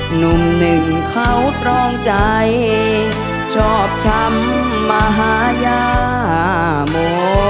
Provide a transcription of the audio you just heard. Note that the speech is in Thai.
หนุ่มหนึ่งเขาตรองใจชอบช้ำมหาญาโม